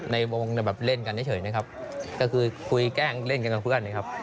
ในวงแบบเล่นกันเฉยนะครับก็คือคุยแกล้งเล่นกันกับเพื่อนนะครับ